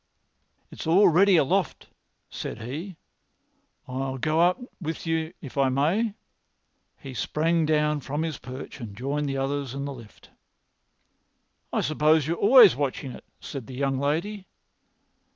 "It's all ready aloft," said he. "I'll go up with you if I may." He sprang down from his perch and joined the others in the lift. "I suppose you are always watching it," said the young lady.